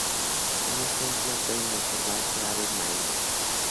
En esta isla pueden observarse aves marinas.